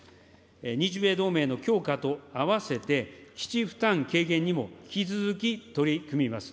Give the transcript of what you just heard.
日米同盟の強化と併せて、基地負担軽減にも引き続き取り組みます。